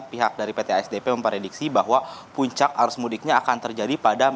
pihak dari pt asdp memprediksi bahwa puncak arus mudiknya akan terjadi pada